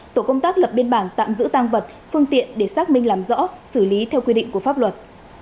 tổ công tác lập biên bản tạm giữ tăng vật phương tiện để xác minh làm rõ xử lý theo quy định của pháp luật